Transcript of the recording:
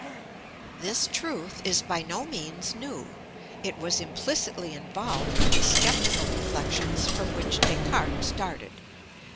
This truth is by no means new. It was implicitly involved in the sceptical reflections from which Descartes started.